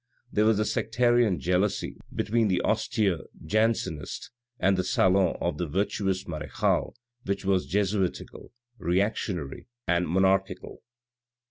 There was a sectarian jealousy between the austere Jansenist and the salon of the virtuous marechale which was Jesuitical, re actionary, and monarchical.